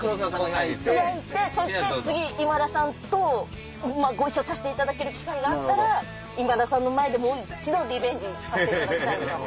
焼いてそして次今田さんとご一緒させていただける機会があったら今田さんの前でもう一度リベンジさせていただきたい。